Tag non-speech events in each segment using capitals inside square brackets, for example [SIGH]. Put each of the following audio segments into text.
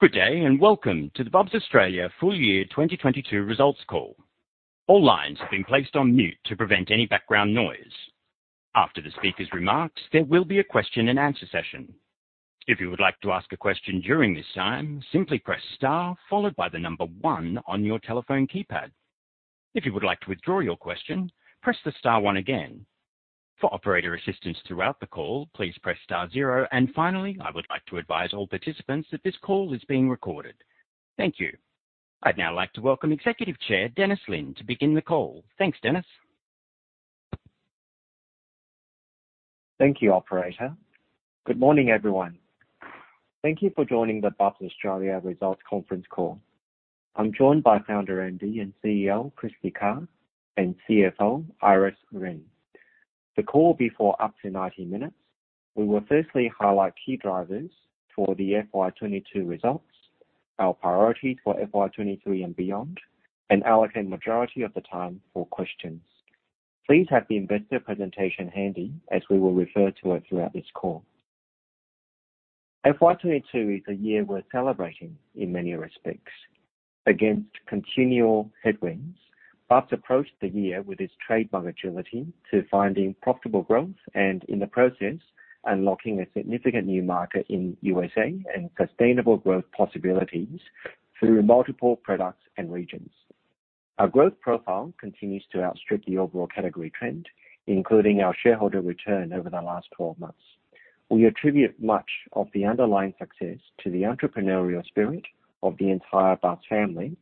Good day, and welcome to the Bubs Australia Full Year 2022 Results Call. All lines have been placed on mute to prevent any background noise. After the speaker's remarks, there will be a question and answer session. If you would like to ask a question during this time, simply press Star followed by the number one on your telephone keypad. If you would like to withdraw your question, press star one again. For operator assistance throughout the call, please press Star zero. Finally, I would like to advise all participants that this call is being recorded. Thank you. I'd now like to welcome Executive Chairman Dennis Lin to begin the call. Thanks, Dennis. Thank you, operator. Good morning, everyone. Thank you for joining the Bubs Australia Results Conference Call. I'm joined by Founder, MD, and CEO Kristy Carr, and CFO Iris Ren. The call will be for up to 90 minutes. We will firstly highlight key drivers for the FY 2022 results, our priorities for FY 2023 and beyond, and allocate majority of the time for questions. Please have the investor presentation handy as we will refer to it throughout this call. FY 2022 is a year worth celebrating in many respects. Against continual headwinds, Bubs approached the year with its trademark agility to finding profitable growth and in the process, unlocking a significant new market in USA and sustainable growth possibilities through multiple products and regions. Our growth profile continues to outstrip the overall category trend, including our shareholder return over the last 12 months. We attribute much of the underlying success to the entrepreneurial spirit of the entire Bubs family,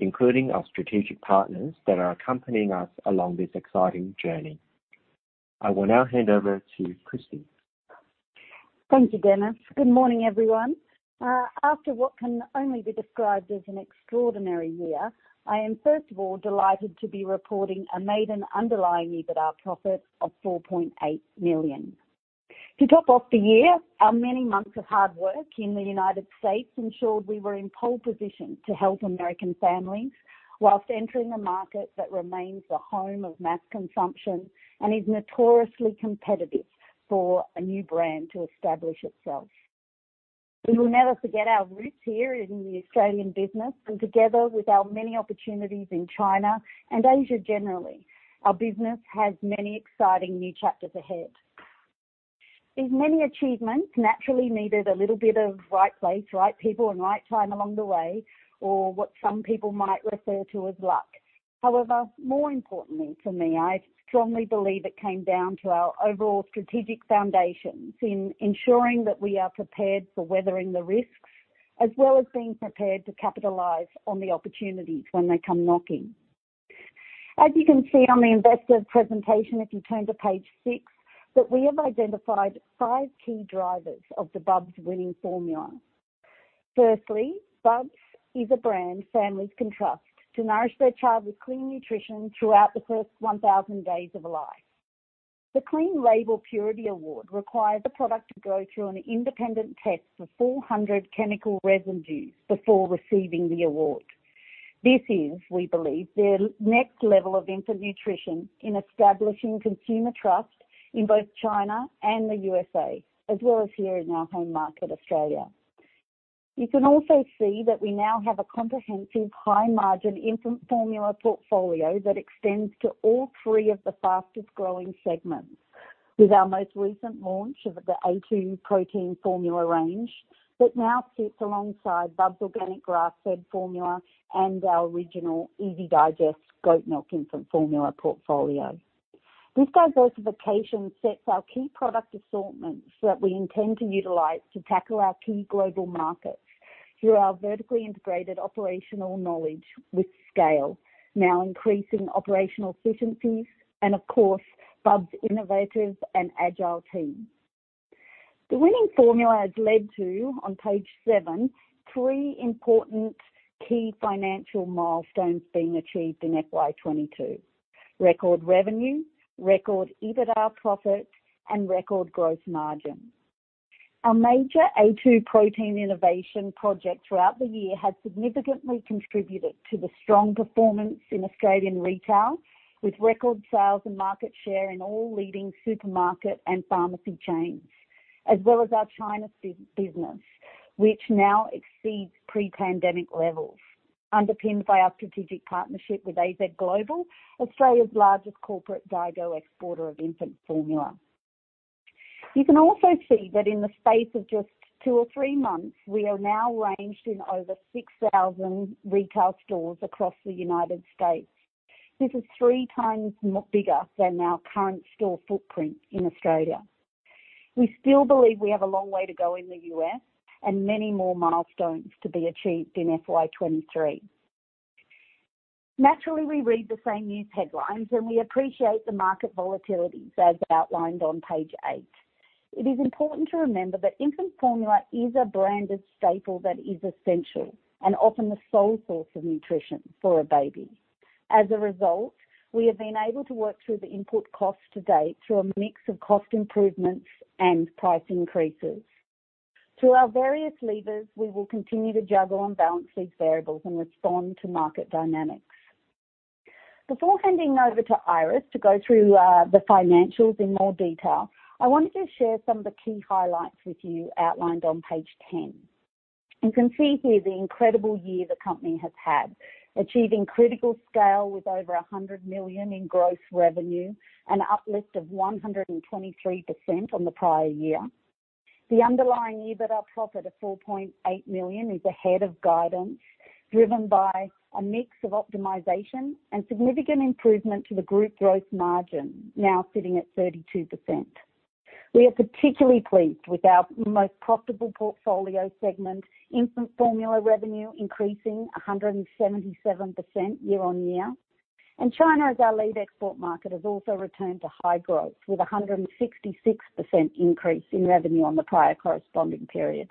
including our strategic partners that are accompanying us along this exciting journey. I will now hand over to Kristy Carr. Thank you, Dennis. Good morning, everyone. After what can only be described as an extraordinary year, I am first of all delighted to be reporting a maiden underlying EBITDA profit of 4.8 million. To top off the year, our many months of hard work in the United States ensured we were in pole position to help American families while entering a market that remains the home of mass consumption and is notoriously competitive for a new brand to establish itself. We will never forget our roots here in the Australian business and together with our many opportunities in China and Asia generally, our business has many exciting new chapters ahead. These many achievements naturally needed a little bit of right place, right people, and right time along the way, or what some people might refer to as luck. However, more importantly for me, I strongly believe it came down to our overall strategic foundations in ensuring that we are prepared for weathering the risks as well as being prepared to capitalize on the opportunities when they come knocking. As you can see on the investor presentation if you turn to page six, that we have identified five key drivers of the Bubs winning formula. Firstly, Bubs is a brand families can trust to nourish their child with clean nutrition throughout the first 1,000 days of a life. The Clean Label Purity Award requires a product to go through an independent test for 400 chemical residues before receiving the award. This is, we believe, the next level of infant nutrition in establishing consumer trust in both China and the USA, as well as here in our home market, Australia. You can also see that we now have a comprehensive high-margin infant formula portfolio that extends to all three of the fastest-growing segments with our most recent launch of the A2 Protein formula range that now sits alongside Bubs Organic Grass Fed Formula and our original easy digest Goat Milk Infant Formula portfolio. This diversification sets our key product assortments that we intend to utilize to tackle our key global markets through our vertically integrated operational knowledge with scale, now increasing operational efficiencies and of course, Bubs' innovative and agile team. The winning formula has led to, on page seven, three important key financial milestones being achieved in FY 2022. Record revenue, record EBITDA profit, and record gross margin. Our major A2 Protein innovation project throughout the year has significantly contributed to the strong performance in Australian retail, with record sales and market share in all leading supermarket and pharmacy chains, as well as our China [CBEC] business, which now exceeds pre-pandemic levels, underpinned by our strategic partnership with AZ Global, Australia's largest corporate Daigou exporter of infant formula. You can also see that in the space of just two or three months, we are now ranged in over 6,000 retail stores across the United States. This is three times bigger than our current store footprint in Australia. We still believe we have a long way to go in the U.S. And many more milestones to be achieved in FY 2023. Naturally, we read the same news headlines, and we appreciate the market volatility as outlined on page eight. It is important to remember that infant formula is a branded staple that is essential and often the sole source of nutrition for a baby. As a result, we have been able to work through the input costs to date through a mix of cost improvements and price increases. Through our various levers, we will continue to juggle and balance these variables and respond to market dynamics. Before handing over to Iris Ren to go through the financials in more detail, I wanted to share some of the key highlights with you outlined on page 10. You can see here the incredible year the company has had. Achieving critical scale with over 100 million in gross revenue, an uplift of 123% on the prior year. The underlying EBITDA profit of 4.8 million is ahead of guidance, driven by a mix of optimization and significant improvement to the group growth margin, now sitting at 32%. We are particularly pleased with our most profitable portfolio segment, infant formula revenue increasing 177% year-on-year. China, as our lead export market, has also returned to high growth with a 166% increase in revenue on the prior corresponding period.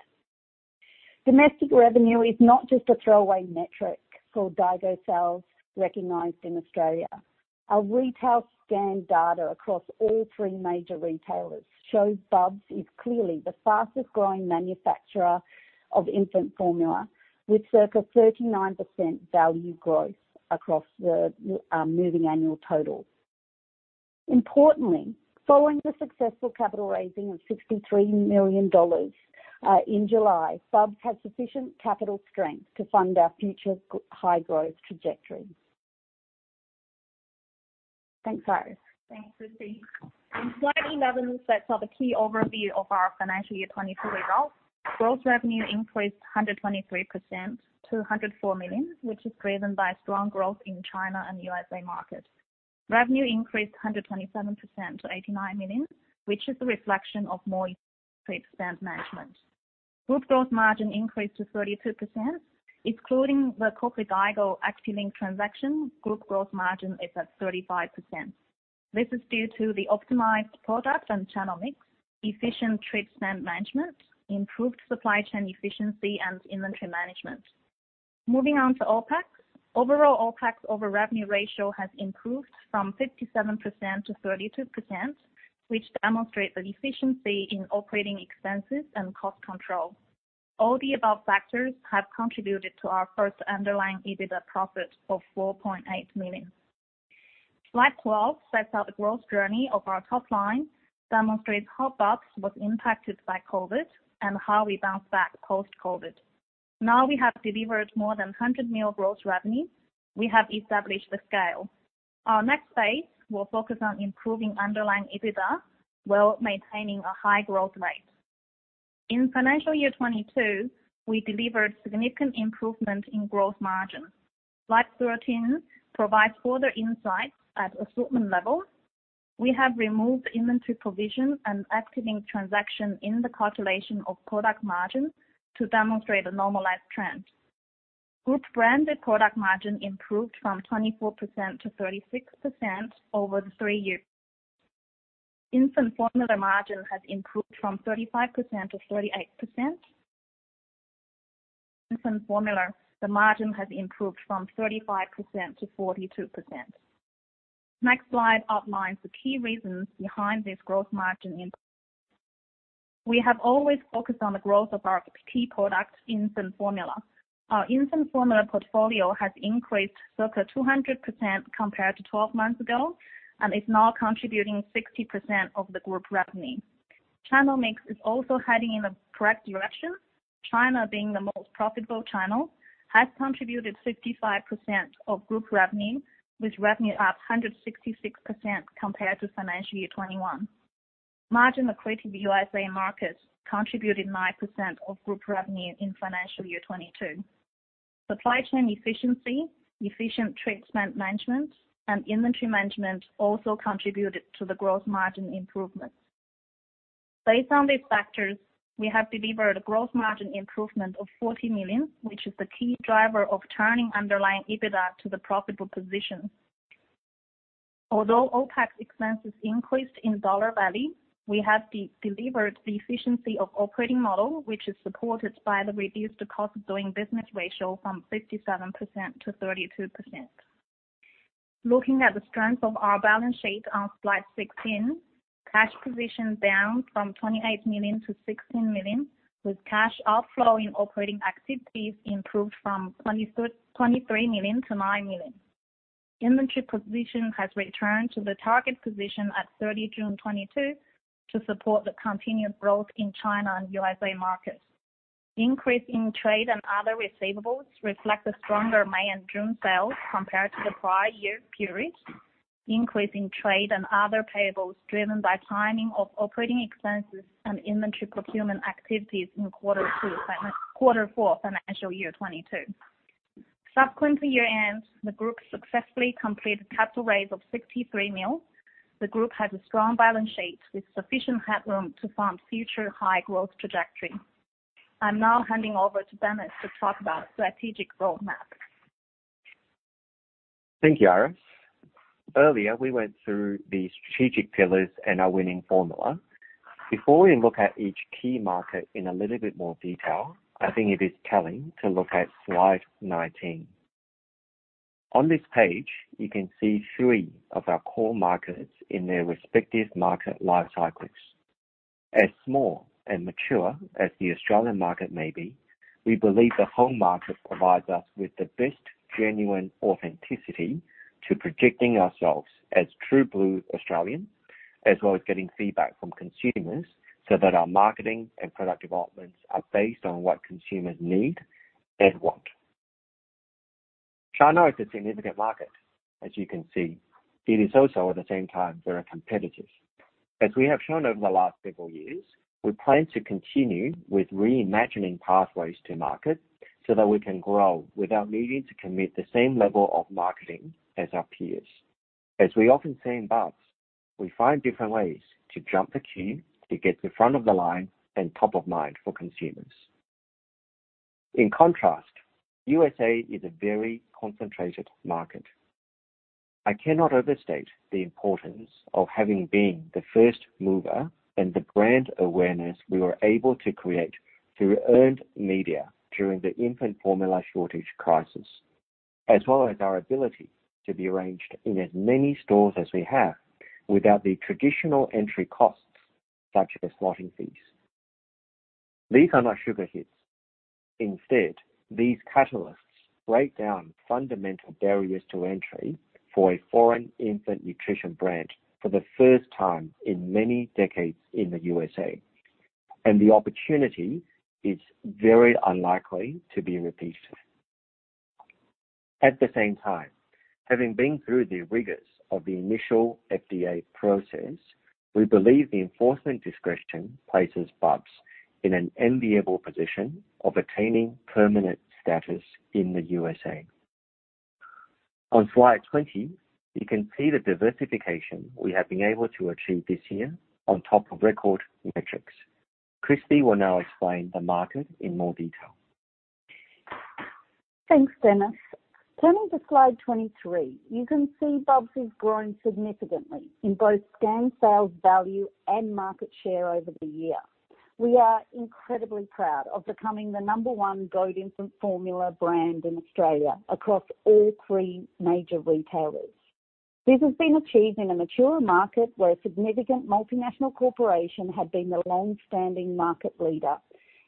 Domestic revenue is not just a throwaway metric for Daigou sales recognized in Australia. Our retail scan data across all three major retailers shows Bubs is clearly the fastest-growing manufacturer of infant formula, with circa 39% value growth across the moving annual total. Importantly, following the successful capital raising of 63 million dollars in July, Bubs has sufficient capital strength to fund our future high growth trajectory. Thanks, Iris. Thanks, Kristy. In slide 11, that's our key overview of our financial year 2022 results. Gross revenue increased 123% to 104 million, which is driven by strong growth in China and the U.S. market. Revenue increased 127% to 89 million, which is a reflection of more trade spend management. Group gross margin increased to 32%. Excluding the corporate Daigou Actilink transaction, group gross margin is at 35%. This is due to the optimized product and channel mix, efficient trade spend management, improved supply chain efficiency and inventory management. Moving on to OpEx. Overall, OpEx over revenue ratio has improved from 57% to 32%, which demonstrates the efficiency in operating expenses and cost control. All the above factors have contributed to our first underlying EBITDA profit of 4.8 million. Slide 12 sets out the growth journey of our top line, demonstrates how Bubs was impacted by COVID and how we bounced back post-COVID. Now we have delivered more than 100 million gross revenue. We have established the scale. Our next phase will focus on improving underlying EBITDA while maintaining a high growth rate. In financial year 2022, we delivered significant improvement in growth margin. Slide 13 provides further insights at assortment level. We have removed inventory provision and Actilink transaction in the calculation of product margin to demonstrate a normalized trend. Group branded product margin improved from 24%-36% over the three-year. Infant formula margin has improved from 35%-38%. Infant formula, the margin has improved from 35%-42%. Next slide outlines the key reasons behind this growth margin increase. We have always focused on the growth of our key product, infant formula. Our infant formula portfolio has increased circa 200% compared to 12 months ago and is now contributing 60% of the group revenue. Channel mix is also heading in the correct direction. China being the most profitable channel, has contributed 55% of group revenue, with revenue up 166% compared to financial year 2021. Margin accretive USA markets contributed 9% of group revenue in financial year 2022. Supply chain efficiency, efficient trade spend management and inventory management also contributed to the growth margin improvement. Based on these factors, we have delivered a growth margin improvement of 40 million, which is the key driver of turning underlying EBITDA to the profitable position. Although OpEx expenses increased in dollar value, we have delivered the efficiency of operating model, which is supported by the reduced cost of doing business ratio from 57% to 32%. Looking at the strength of our balance sheet on slide 16, cash position down from 28 million to 16 million, with cash outflow in operating activities improved from 23 million to 9 million. Inventory position has returned to the target position at June 30th, 2022 to support the continued growth in China and USA markets. Increase in trade and other receivables reflect the stronger May and June sales compared to the prior year period. Increase in trade and other payables driven by timing of operating expenses and inventory procurement activities in quarter four financial year 2022. Subsequently year-end, the group successfully completed capital raise of 63 million. The group has a strong balance sheet with sufficient headroom to fund future high growth trajectory. I'm now handing over to Dennis Lin to talk about strategic roadmap. Thank you, Iris. Earlier, we went through the strategic pillars and our winning formula. Before we look at each key market in a little bit more detail, I think it is telling to look at slide 19. On this page, you can see three of our core markets in their respective market life cycles. As small and mature as the Australian market may be, we believe the home market provides us with the best genuine authenticity to projecting ourselves as true-blue Australian as well as getting feedback from consumers so that our marketing and product developments are based on what consumers need and want. China is a significant market, as you can see. It is also, at the same time, very competitive. As we have shown over the last several years, we plan to continue with reimagining pathways to market so that we can grow without needing to commit the same level of marketing as our peers. As we often say in Bubs, we find different ways to jump the queue to get to front of the line and top of mind for consumers. In contrast, USA is a very concentrated market. I cannot overstate the importance of having been the first mover and the brand awareness we were able to create through earned media during the infant formula shortage crisis. As well as our ability to be arranged in as many stores as we have without the traditional entry costs such as slotting fees. These are not sugar hits. Instead, these catalysts break down fundamental barriers to entry for a foreign infant nutrition brand for the first time in many decades in the USA, and the opportunity is very unlikely to be repeated. At the same time, having been through the rigors of the initial FDA process, we believe the enforcement discretion places Bubs in an enviable position of attaining permanent status in the USA. On slide 20, you can see the diversification we have been able to achieve this year on top of record metrics. Kristy will now explain the market in more detail. Thanks, Dennis. Turning to slide 23, you can see Bubs has grown significantly in both scan sales value and market share over the year. We are incredibly proud of becoming the number one goat infant formula brand in Australia across all three major retailers. This has been achieved in a mature market where a significant multinational corporation had been the long-standing market leader,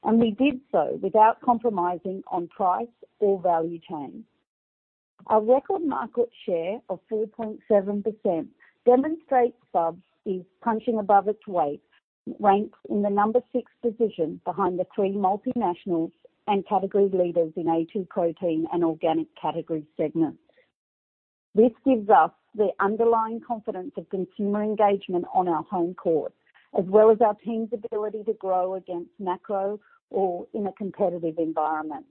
and we did so without compromising on price or value chain. Our record market share of 4.7% demonstrates Bubs is punching above its weight, ranked in the number six position behind the three multinationals and category leaders in A2 protein and organic category segments. This gives us the underlying confidence of consumer engagement on our home court as well as our team's ability to grow against macro or in a competitive environment.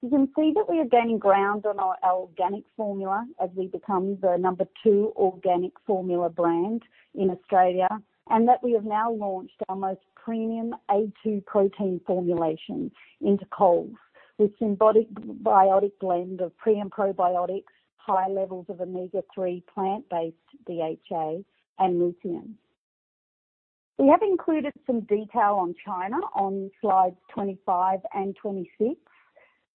You can see that we are gaining ground on our organic formula as we become the number two organic formula brand in Australia, and that we have now launched our most premium A2 protein formulation into Coles with symbiotic blend of prebiotics and probiotics, high levels of Omega-3 plant-based DHA and lutein. We have included some detail on China on slides 25 and 26.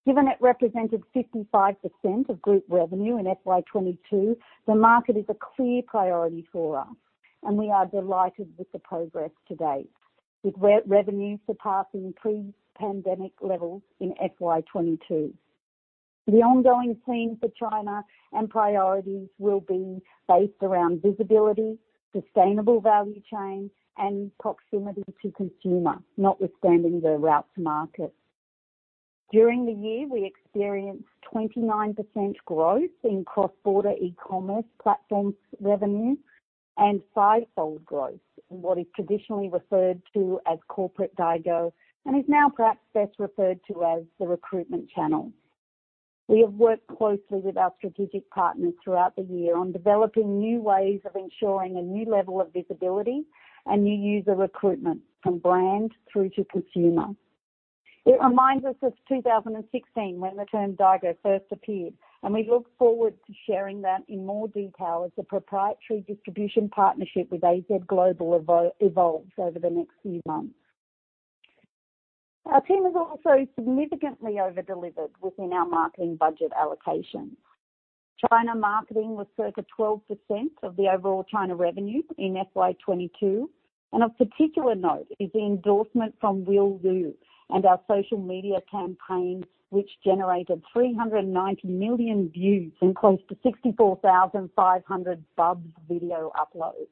Given it represented 55% of group revenue in FY 2022, the market is a clear priority for us, and we are delighted with the progress to date, with revenue surpassing pre-pandemic levels in FY 2022. The ongoing theme for China and priorities will be based around visibility, sustainable value chain, and proximity to consumer, notwithstanding the route to market. During the year, we experienced 29% growth in cross-border e-commerce platforms revenue, and five-fold growth in what is traditionally referred to as Corporate Daigou and is now perhaps best referred to as the recruitment channel. We have worked closely with our strategic partners throughout the year on developing new ways of ensuring a new level of visibility and new user recruitment from brand through to consumer. It reminds us of 2016 when the term Daigou first appeared, and we look forward to sharing that in more detail as the proprietary distribution partnership with AZ Global evolves over the next few months. Our team has also significantly over-delivered within our marketing budget allocation. China marketing was circa 12% of the overall China revenue in FY 2022, and of particular note is the endorsement from Will Liu and our social media campaign, which generated 390 million views and close to 64,500 Bubs video uploads.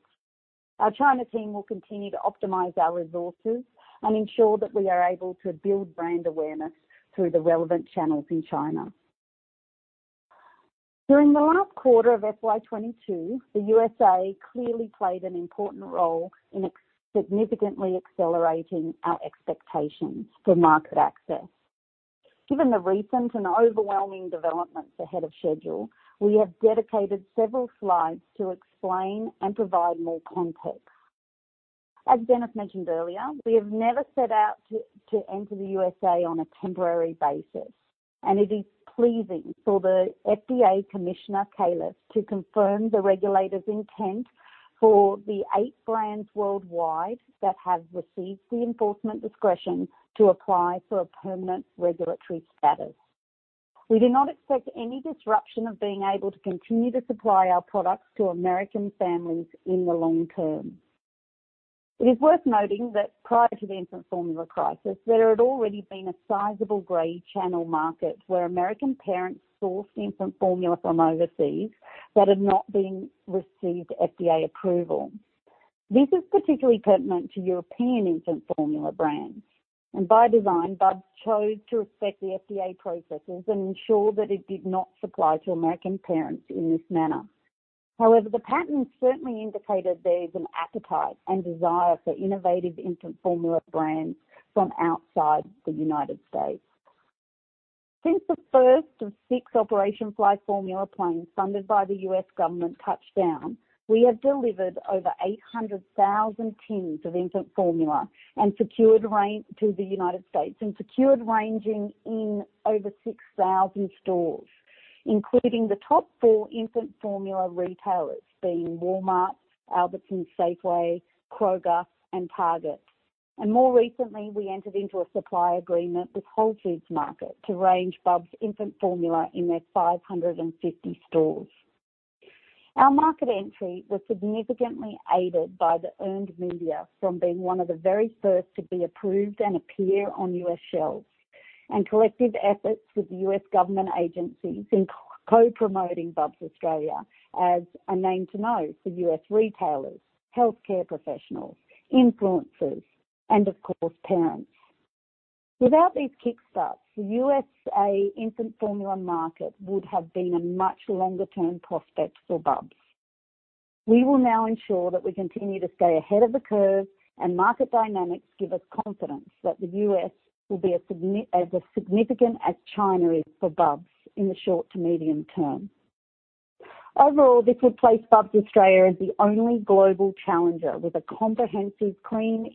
Our China team will continue to optimize our resources and ensure that we are able to build brand awareness through the relevant channels in China. During the last quarter of FY 2022, the USA clearly played an important role in significantly accelerating our expectations for market access. Given the recent and overwhelming developments ahead of schedule, we have dedicated several slides to explain and provide more context. As Dennis mentioned earlier, we have never set out to enter the USA on a temporary basis, and it is pleasing for the FDA Commissioner Robert Califf to confirm the regulator's intent for the eight brands worldwide that have received the Enforcement Discretion to apply for a permanent regulatory status. We do not expect any disruption of being able to continue to supply our products to American families in the long term. It is worth noting that prior to the infant formula crisis, there had already been a sizable gray channel market where American parents sourced infant formula from overseas that had not received FDA approval. This is particularly pertinent to European infant formula brands. By design, Bubs chose to respect the FDA processes and ensure that it did not supply to American parents in this manner. However, the pattern certainly indicated there is an appetite and desire for innovative infant formula brands from outside the United States. Since the first of six Operation Fly Formula planes funded by the U.S. government touched down, we have delivered over 800,000 tins of infant formula and secured range to the United States and secured ranging in over 6,000 stores, including the top four infant formula retailers being Walmart, Albertsons, Safeway, Kroger and Target. More recently, we entered into a supply agreement with Whole Foods Market to range Bubs infant formula in their 550 stores. Our market entry was significantly aided by the earned media from being one of the very first to be approved and appear on U.S. shelves. Collective efforts with the U.S. government agencies in co-promoting Bubs Australia as a name to know for U.S. retailers, healthcare professionals, influencers and of course, parents. Without these kick-starts, the USA infant formula market would have been a much longer term prospect for Bubs. We will now ensure that we continue to stay ahead of the curve, and market dynamics give us confidence that the U.S. will be as significant as China is for Bubs in the short to medium term. Overall, this would place Bubs Australia as the only global challenger with a comprehensive clean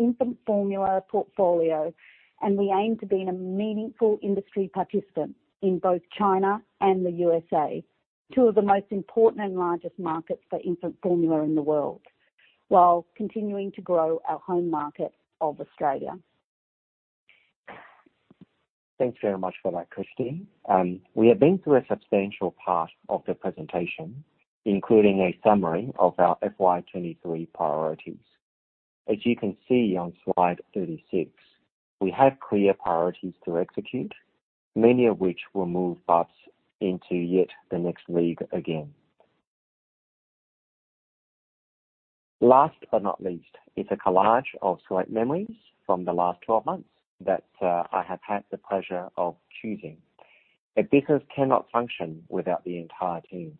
infant formula portfolio, and we aim to being a meaningful industry participant in both China and the USA, two of the most important and largest markets for infant formula in the world, while continuing to grow our home market of Australia. Thanks very much for that, Kristy. We have been through a substantial part of the presentation, including a summary of our FY 2023 priorities. As you can see on slide 36, we have clear priorities to execute, many of which will move Bubs into yet the next league again. Last but not least, is a collage of select memories from the last 12 months that I have had the pleasure of choosing. A business cannot function without the entire team,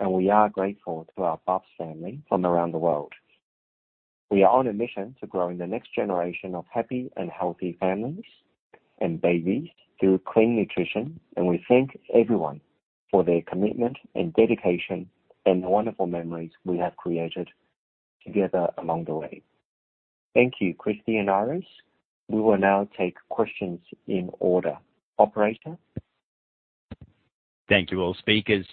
and we are grateful to our Bubs family from around the world. We are on a mission to growing the next generation of happy and healthy families and babies through clean nutrition, and we thank everyone for their commitment and dedication and the wonderful memories we have created together along the way. Thank you, Kristy and Iris. We will now take questions in order. Operator. Thank you, all speakers.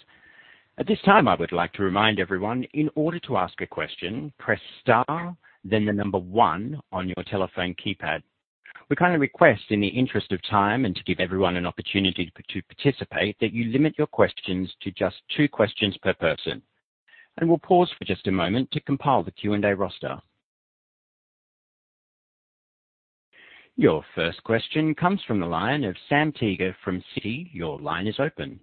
At this time, I would like to remind everyone, in order to ask a question, press star, then the number one on your telephone keypad. We kindly request in the interest of time and to give everyone an opportunity to participate, that you limit your questions to just two questions per person. We'll pause for just a moment to compile the Q&A roster. Your first question comes from the line of Sam Teeger from Citi. Your line is open.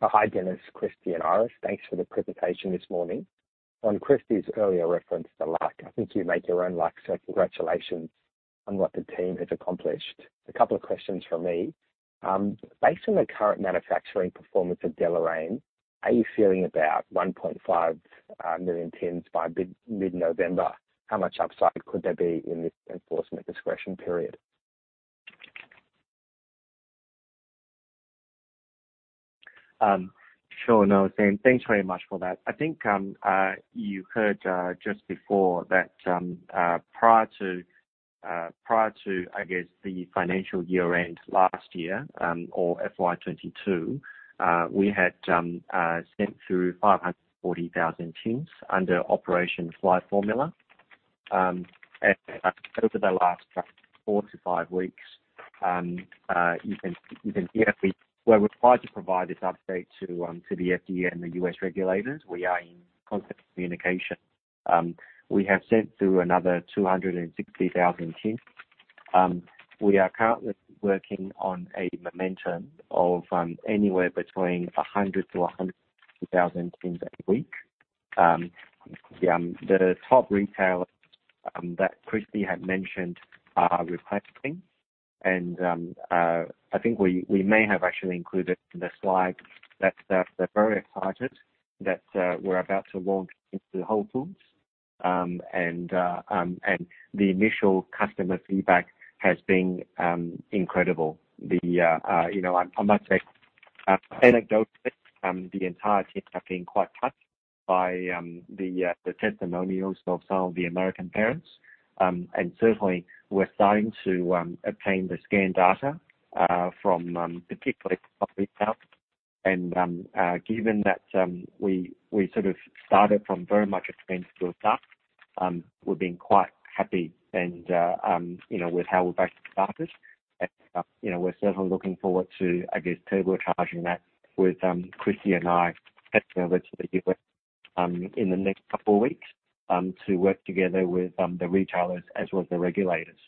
Hi, Dennis, Kristy and Iris. Thanks for the presentation this morning. On Kristy's earlier reference to luck, I think you make your own luck, so congratulations on what the team has accomplished. A couple of questions from me. Based on the current manufacturing performance at Deloraine, are you feeling about 1.5 million tins by mid-November? How much upside could there be in this Enforcement Discretion period? Sure. No, Sam, thanks very much for that. I think you heard just before that prior to, I guess, the financial year-end last year or FY 2022 we had sent through 540,000 tins under Operation Fly Formula. Over the last four-five weeks you can hear we're required to provide this update to the FDA and the U.S. regulators. We are in constant communication. We have sent through another 260,000 tins. We are currently working on a momentum of anywhere between 100,000-102,000 tins a week. The top retailers that Kristy had mentioned are requesting, and I think we may have actually included in the slide that they're very excited that we're about to launch into Whole Foods. The initial customer feedback has been incredible. You know, I must say anecdotally, the entire team have been quite touched by the testimonials of some of the American parents. Certainly we're starting to obtain the scan data from, particularly. Given that we sort of started from very much a standing start, we've been quite happy, you know, with how we basically started. You know, we're certainly looking forward to, I guess, turbocharging that with Kristy and I heading over to the U.S. in the next couple of weeks to work together with the retailers as well as the regulators.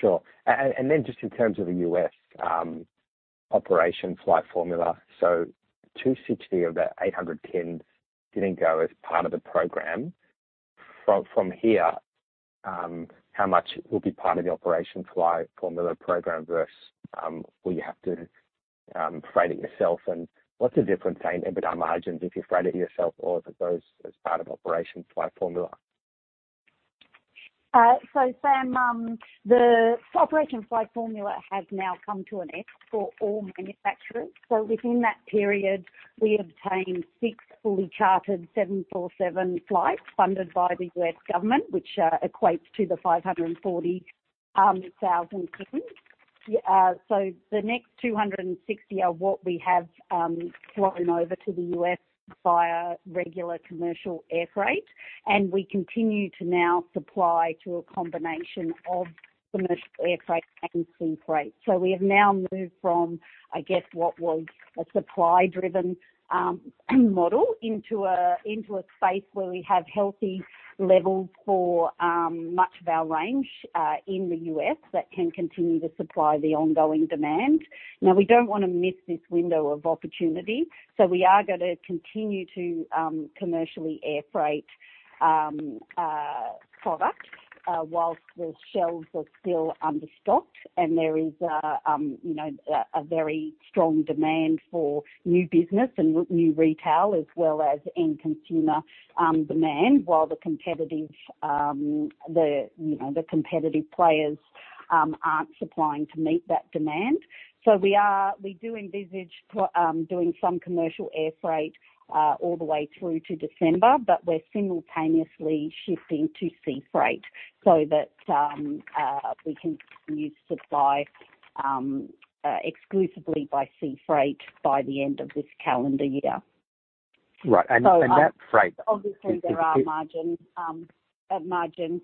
Sure. Just in terms of the U.S., Operation Fly Formula. 260 of that 800 tins didn't go as part of the program. From here, how much will be part of the Operation Fly Formula program versus will you have to freight it yourself? What's the difference in EBITDA margins if you freight it yourself or if it goes as part of Operation Fly Formula? Sam, the Operation Fly Formula has now come to an end for all manufacturers. Within that period, we obtained six fully chartered 747 flights funded by the U.S. government, which equates to the 540 thousand tins. The next 260 are what we have flown over to the U.S. via regular commercial air freight. We continue to now supply to a combination of commercial air freight and sea freight. We have now moved from, I guess, what was a supply-driven model into a space where we have healthy levels for much of our range in the U.S. that can continue to supply the ongoing demand. Now, we don't wanna miss this window of opportunity, so we are gonna continue to commercially air freight product while the shelves are still understocked and there is you know a very strong demand for new business and new retail as well as end consumer demand, while the competitive players aren't supplying to meet that demand. We do envisage doing some commercial air freight all the way through to December, but we're simultaneously shifting to sea freight so that we can continue to supply exclusively by sea freight by the end of this calendar year. Right. That freight- Obviously, there are margin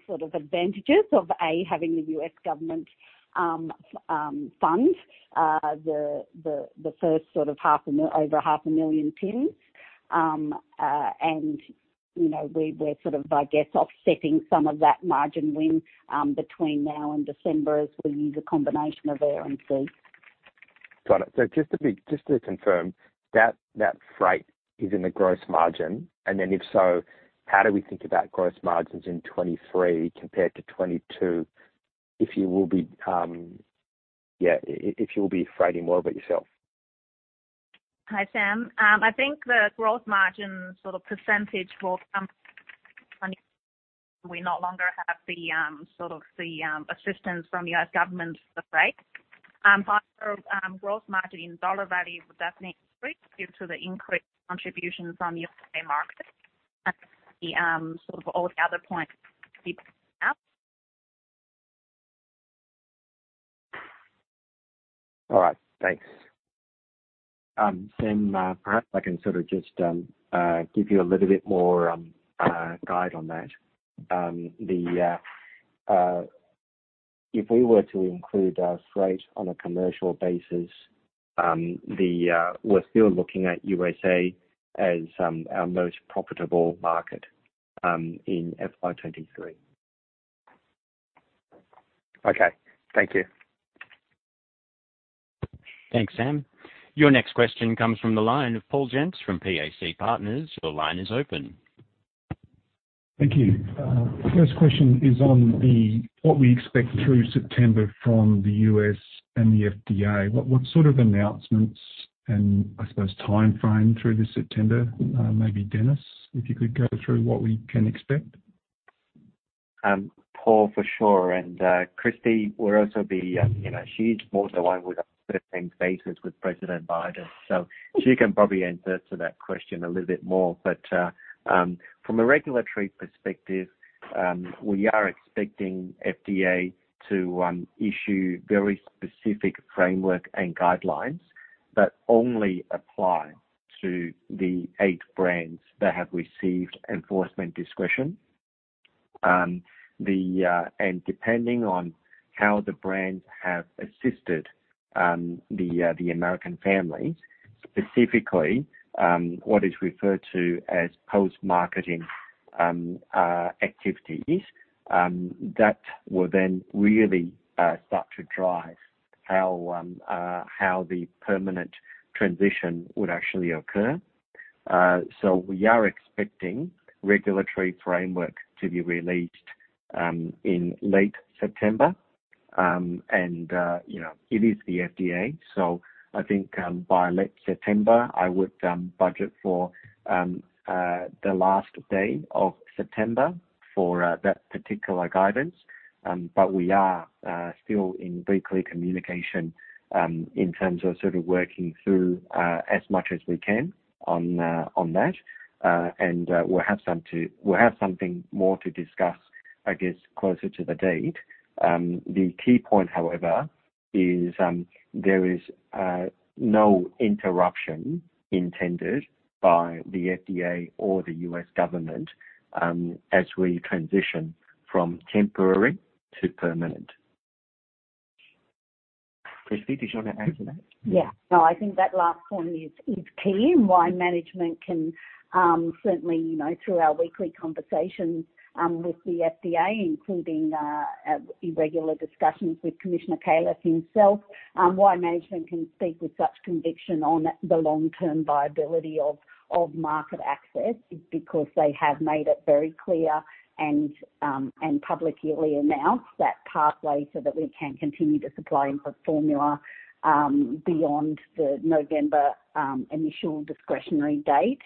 sort of advantages of having the U.S. government fund the first sort of over 500,000 tins. You know, we're sort of, I guess, offsetting some of that margin win between now and December as we use a combination of air and sea. Got it. So just to confirm, that freight is in the gross margin. Then if so, how do we think about gross margins in 2023 compared to 2022, if you'll be freighting more by yourself? Hi, Sam. I think the gross margin sort of percentage will come. We no longer have the sort of assistance from U.S. government freight. Gross margin in dollar value will definitely increase due to the increased contributions from U.S. market. The sort of all the other points. All right. Thanks. Sam, perhaps I can sort of just give you a little bit more guidance on that. If we were to include our freight on a commercial basis, we're still looking at USA as our most profitable market in FY 2023. Okay. Thank you. Thanks, Sam Teeger. Your next question comes from the line of Paul Jensz from PAC Partners. Your line is open. Thank you. First question is on what we expect through September from the U.S. and the FDA. What sort of announcements and I suppose timeframe through to September? Maybe Dennis, if you could go through what we can expect. Paul, for sure. Kristy will also be, you know, she's more the one with a basis with President Biden, so she can probably answer to that question a little bit more. From a regulatory perspective, we are expecting FDA to issue very specific framework and guidelines that only apply to the eight brands that have received enforcement discretion. Depending on how the brands have assisted the American family, specifically, what is referred to as post-marketing activities, that will then really start to drive how the permanent transition would actually occur. We are expecting regulatory framework to be released in late September. You know, it is the FDA, so I think by late September I would budget for the last day of September for that particular guidance. But we are still in weekly communication in terms of sort of working through as much as we can on that. We'll have something more to discuss, I guess, closer to the date. The key point, however, is there is no interruption intended by the FDA or the U.S. government as we transition from temporary to permanent. Kristy, did you want to add to that? Yeah. No, I think that last point is key and why management can certainly, you know, through our weekly conversations with the FDA, including regular discussions with Commissioner Robert Califf himself, why management can speak with such conviction on the long-term viability of market access. It's because they have made it very clear and publicly announced that pathway so that we can continue to supply infant formula beyond the November initial discretionary date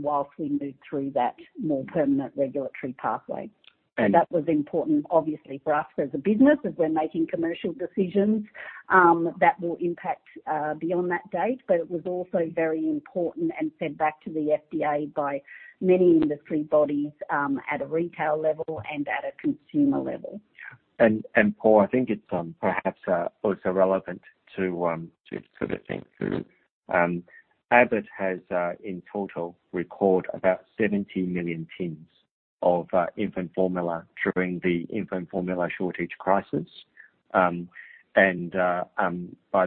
while we move through that more permanent regulatory pathway. [AUDIO DISTORTION] That was important, obviously, for us as a business, as we're making commercial decisions, that will impact, beyond that date. It was also very important and fed back to the FDA by many industry bodies, at a retail level and at a consumer level. Paul, I think it's perhaps also relevant to sort of think through. Abbott has in total recalled about 70 million tins of infant formula during the infant formula shortage crisis. By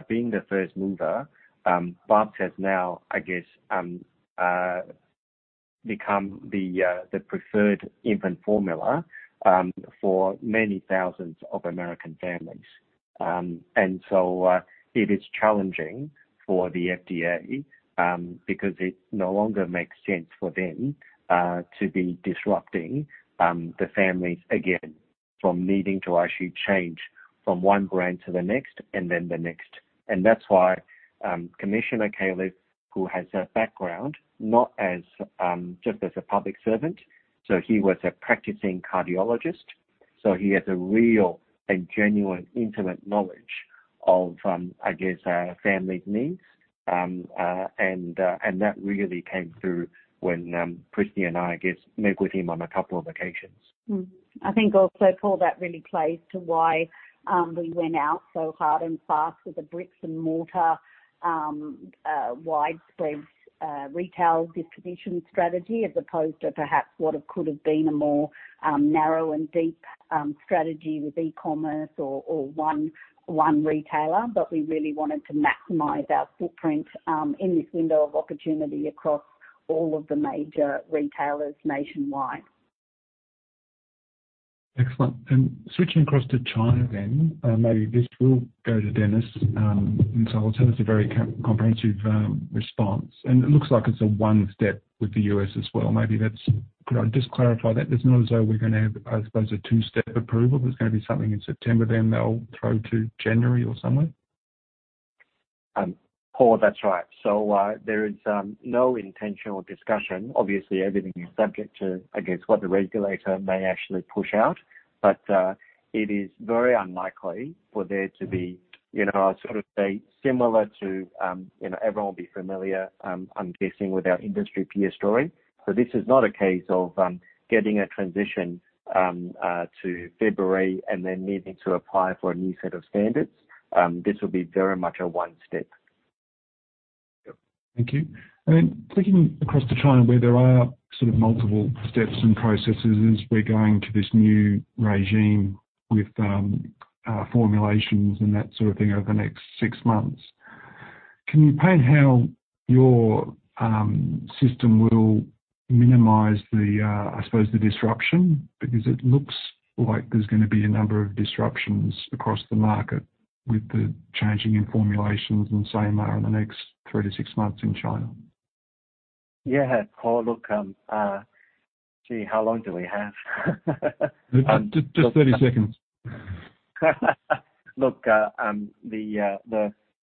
being the first mover, Bubs has now, I guess, become the preferred infant formula for many thousands of American families. It is challenging for the FDA because it no longer makes sense for them to be disrupting the families again from needing to actually change from one brand to the next and then the next. That's why, Commissioner Robert Califf, who has a background not just as a public servant, so he was a practicing cardiologist, so he has a real and genuine intimate knowledge of, I guess, family needs. That really came through when Kristy and I guess, met with him on a couple of occasions. I think also, Paul, that really plays to why we went out so hard and fast with the bricks-and-mortar widespread retail distribution strategy, as opposed to perhaps what could have been a more narrow and deep strategy with e-commerce or one retailer. We really wanted to maximize our footprint in this window of opportunity across all of the major retailers nationwide. Excellent. Switching across to China then, maybe this will go to Dennis. I'll tell it's a very comprehensive response, and it looks like it's a one-step with the U.S. as well. Maybe that's. Could I just clarify that? It's not as though we're gonna have, I suppose, a two-step approval. There's gonna be something in September, then they'll go to January or somewhere. Paul, that's right. There is no intentional discussion. Obviously, everything is subject to, I guess, what the regulator may actually push out. It is very unlikely for there to be, you know, I sort of say similar to, you know, everyone will be familiar, I'm guessing, with our industry peer story. This is not a case of getting a transition to February and then needing to apply for a new set of standards. This will be very much a one-step. Yep. Thank you. Then clicking across to China, where there are sort of multiple steps and processes as we're going to this new regime with formulations and that sort of thing over the next six months. Can you paint how your system will minimize the, I suppose, the disruption? Because it looks like there's gonna be a number of disruptions across the market with the changes in formulations and same here in the next three-six months in China. Yeah. Paul, look, how long do we have? Just 30 seconds. Look,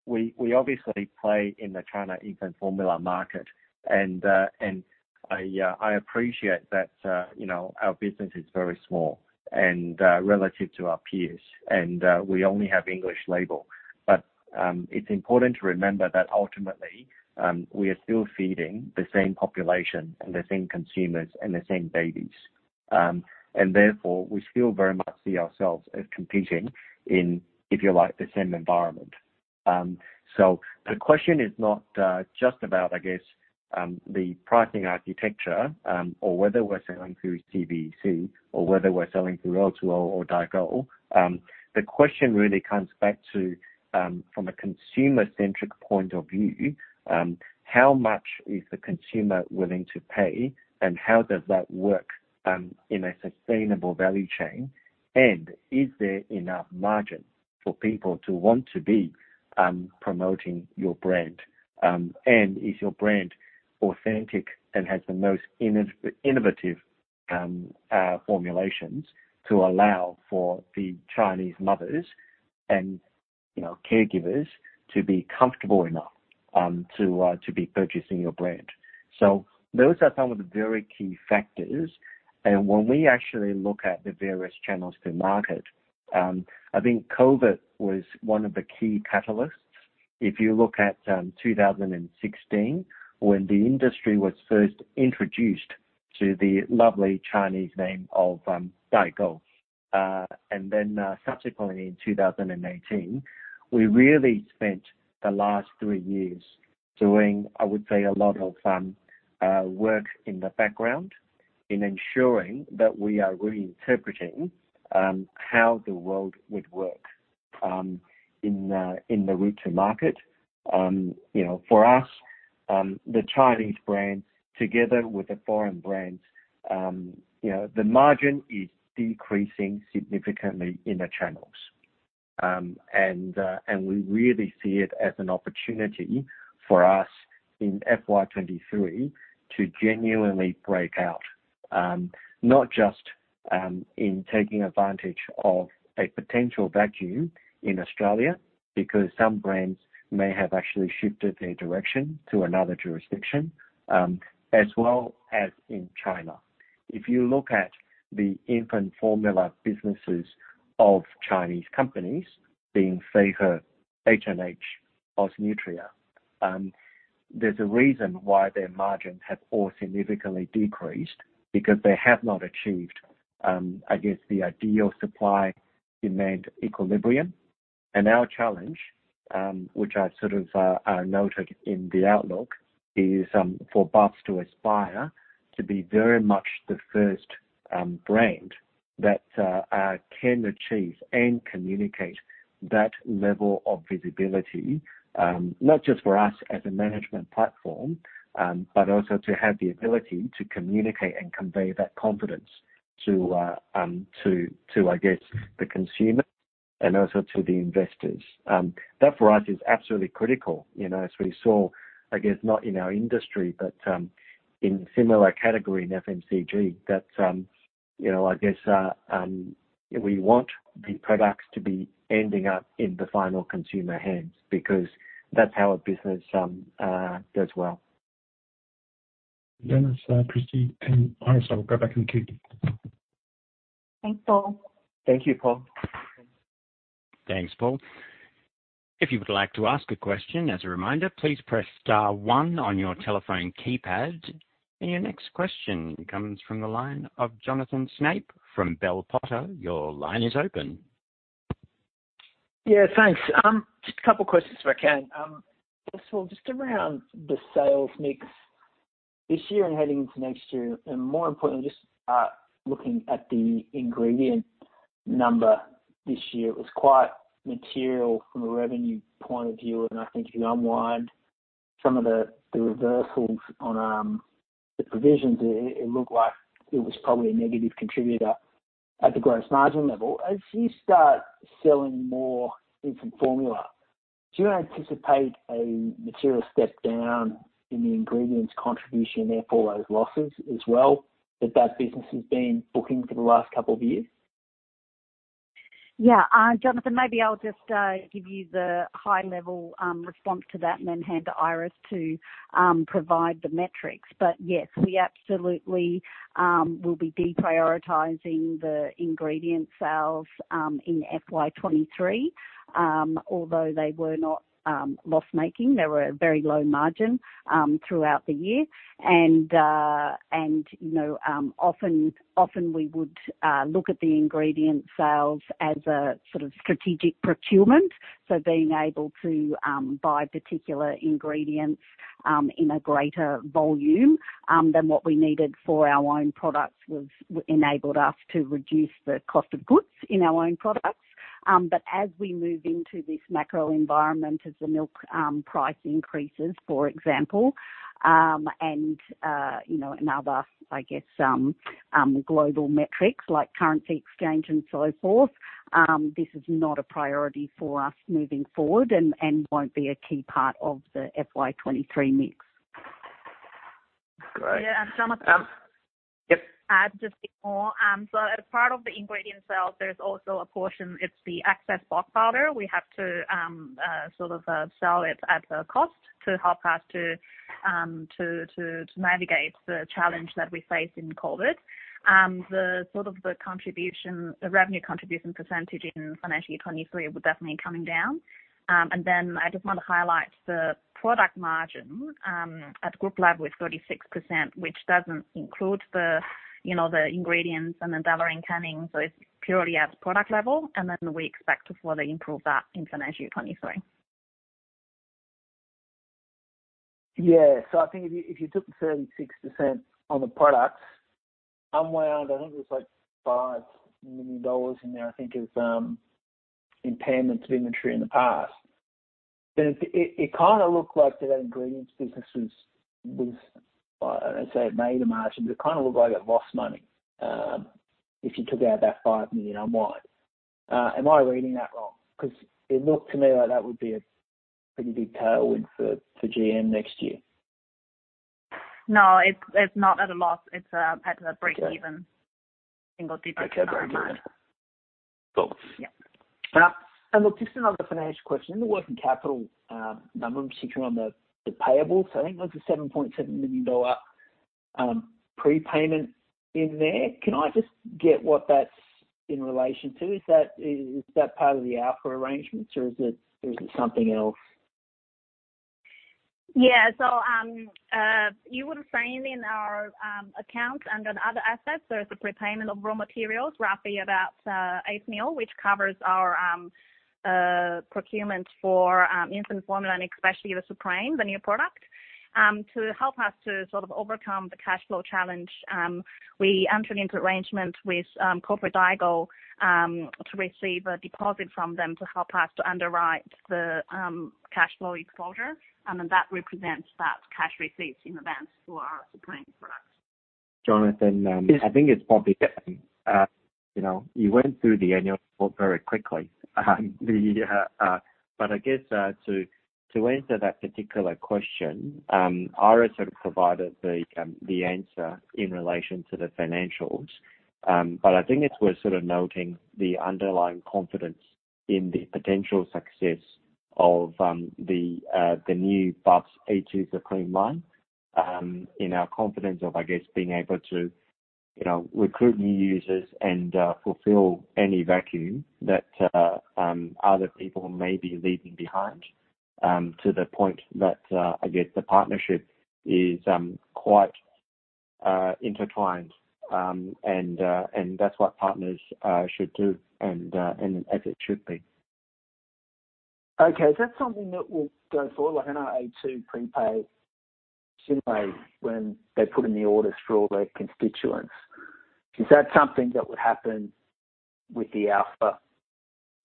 we obviously play in the China infant formula market. I appreciate that, you know, our business is very small and relative to our peers, and we only have English label. It's important to remember that ultimately, we are still feeding the same population and the same consumers and the same babies. Therefore, we still very much see ourselves as competing in, if you like, the same environment. The question is not just about, I guess, the pricing architecture, or whether we're selling through TVC or whether we're selling through O2O or Daigou. The question really comes back to, from a consumer-centric point of view, how much is the consumer willing to pay and how does that work in a sustainable value chain? Is there enough margin for people to want to be promoting your brand? Is your brand authentic and has the most innovative formulations to allow for the Chinese mothers and, you know, caregivers to be comfortable enough to be purchasing your brand. Those are some of the very key factors. When we actually look at the various channels to market, I think COVID was one of the key catalysts. If you look at 2016 when the industry was first introduced to the lovely Chinese name of Daigou, and then subsequently in 2018, we really spent the last three years doing, I would say, a lot of work in the background in ensuring that we are really interpreting how the world would work in the route to market. You know, for us, the Chinese brand, together with the foreign brands, you know, the margin is decreasing significantly in the channels. We really see it as an opportunity for us in FY 2023 to genuinely break out, not just in taking advantage of a potential vacuum in Australia because some brands may have actually shifted their direction to another jurisdiction, as well as in China. If you look at the infant formula businesses of Chinese companies being Feihe, H&H, Ausnutria, there's a reason why their margins have all significantly decreased because they have not achieved, I guess the ideal supply-demand equilibrium. Our challenge, which I sort of noted in the outlook is, for Bubs to aspire to be very much the first brand that can achieve and communicate that level of visibility, not just for us as a management platform, but also to have the ability to communicate and convey that confidence to, I guess, the consumer and also to the investors. That for us is absolutely critical. You know, as we saw, I guess not in our industry, but, in similar category in FMCG that, you know, I guess, we want the products to be ending up in the final consumer hands because that's how a business does well. Dennis, Kristy, and Iris, I'll go back in the queue. Thanks, Paul. Thank you, Paul. Thanks, Paul. If you would like to ask a question, as a reminder, please press star one on your telephone keypad. Your next question comes from the line of Jonathan Snape from Bell Potter. Your line is open. Yeah, thanks. Just a couple questions if I can. First of all, just around the sales mix this year and heading into next year, and more importantly, just looking at the ingredient number this year, it was quite material from a revenue point of view, and I think if you unwind some of the reversals on the provisions, it looked like it was probably a negative contributor at the gross margin level. As you start selling more infant formula, do you anticipate a material step down in the ingredients contribution and therefore those losses as well, that business has been booking for the last couple of years? Yeah. Jonathan, maybe I'll just give you the high level response to that and then hand to Iris to provide the metrics. Yes, we absolutely will be deprioritizing the ingredient sales in FY 2023. Although they were not loss-making, they were a very low margin throughout the year. You know, often we would look at the ingredient sales as a sort of strategic procurement. Being able to buy particular ingredients in a greater volume than what we needed for our own products enabled us to reduce the cost of goods in our own products. As we move into this macro environment as the milk price increases, for example, and you know and other, I guess, global metrics like currency exchange and so forth, this is not a priority for us moving forward and won't be a key part of the FY 2023 mix. Great. Yeah, Jonathan. Yep. Add just a bit more. As part of the ingredient sales, there's also a portion, it's the A2 box powder. We have to sort of sell it at a cost to help us to navigate the challenge that we face in COVID. The contribution, the revenue contribution percentage in financial year 2023 would definitely coming down. I just want to highlight the product margin at group level with 36%, which doesn't include the, you know, the ingredients and the Deloraine canning, so it's purely at product level, and then we expect to further improve that in financial year 2023. Yeah. I think if you took the 36% on the products, unwound, I think there's like 5 million dollars in there, I think is impairments of inventory in the past, then it kind of looked like that ingredients business was, I'd say it made a margin. It kind of looked like it lost money, if you took out that 5 million unwind. Am I reading that wrong? 'Cause it looked to me like that would be a pretty big tailwind for GM next year. No, it's not at a loss. It's at a break-even. Okay. Single digit. Okay, great. All right. Cool. Yeah. Look, just another financial question. The working capital number, in particular on the payables. I think there's a 7.7 million dollar prepayment in there. Can I just get what that's in relation to? Is that part of the Alpha arrangements or is it something else? Yeah. You would have seen in our accounts under other assets, there is a prepayment of raw materials, roughly about 8 million, which covers our procurement for infant formula and especially the Supreme, the new product. To help us to sort of overcome the cash flow challenge, we entered into arrangement with Corporate Daigou to receive a deposit from them to help us to underwrite the cash flow exposure. I mean, that represents cash receipts in advance for our Supreme products. Jonathan. Yeah. I think it's probably, you know, you went through the annual report very quickly. I guess to answer that particular question, Iris sort of provided the answer in relation to the financials. I think it's worth sort of noting the underlying confidence in the potential success of the new Bubs A2 Supreme line, in our confidence of, I guess, being able to, you know, recruit new users and fulfill any vacuum that other people may be leaving behind, to the point that I guess the partnership is quite intertwined. That's what partners should do and as it should be. Okay. Is that something that will go for like an A2 prepaid similarly, when they put in the orders for all their constituents? Is that something that would happen with the Alpha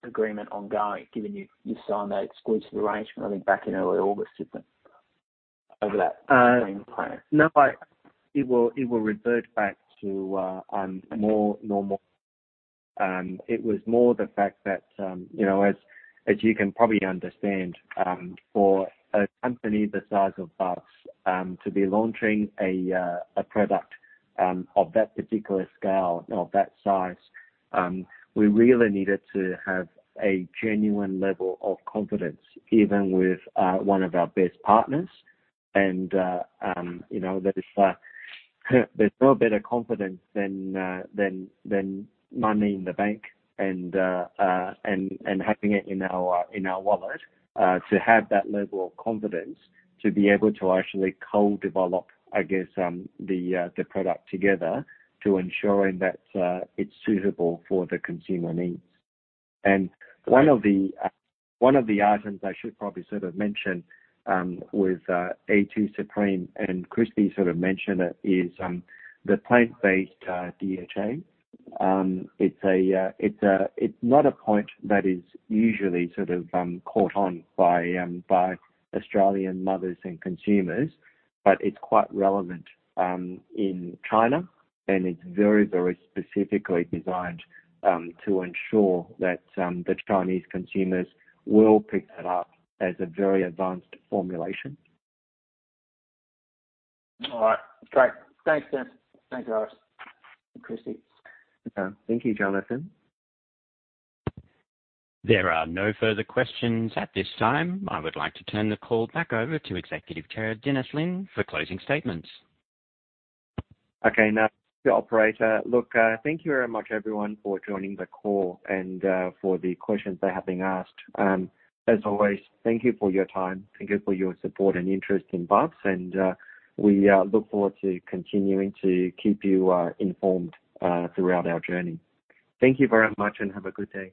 agreement ongoing, given you signed that exclusive arrangement, I think, back in early August, didn't you, over that same plan? No, but it will revert back to more normal. It was more the fact that, you know, as you can probably understand, for a company the size of Bubs to be launching a product of that particular scale, of that size, we really needed to have a genuine level of confidence, even with one of our best partners. You know, there's no better confidence than money in the bank and having it in our wallet to have that level of confidence to be able to actually co-develop, I guess, the product together to ensuring that it's suitable for the consumer needs. One of the items I should probably sort of mention with A2 Supreme, and Kristy sort of mentioned it, is the plant-based DHA. It's not a point that is usually sort of caught on by Australian mothers and consumers, but it's quite relevant in China, and it's very, very specifically designed to ensure that the Chinese consumers will pick that up as a very advanced formulation. All right. Great. Thanks, Dennis. Thanks, Iris and Kristy. Thank you, Jonathan. There are no further questions at this time. I would like to turn the call back over to Executive Chairman, Dennis Lin, for closing statements. Okay. Now, the operator. Look, thank you very much everyone for joining the call and for the questions that have been asked. As always, thank you for your time, thank you for your support and interest in Bubs, and we look forward to continuing to keep you informed throughout our journey. Thank you very much and have a good day.